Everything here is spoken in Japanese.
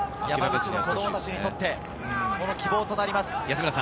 山口の子供たちにとって希望となります。